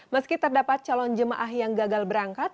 meski terdapat calon jemaah yang gagal berangkat